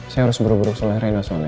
saya harus buru buru ke sule renosone